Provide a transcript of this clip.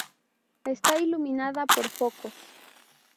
Está iluminada por focos.